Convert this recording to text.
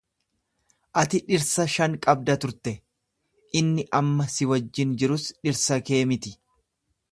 Ati dhirsa shan qabda turte, inni amma si wajjin jirus dhirsa kee miti.